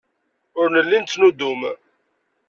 Ur nelli nettnuddum.